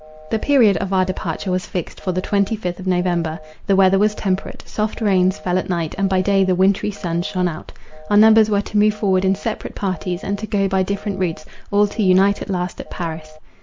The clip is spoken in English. The period of our departure was fixed for the twenty fifth of November. The weather was temperate; soft rains fell at night, and by day the wintry sun shone out. Our numbers were to move forward in separate parties, and to go by different routes, all to unite at last at Paris.